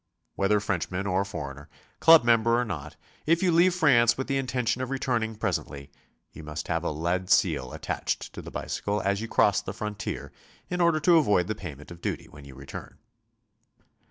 Whether Frenchmen or foreigner, club member or not, if you leave France with the intention of returning presently, you must have a lead seal attached to the bicycle as you cross the frontier in order to avoid the payment of duty when you return.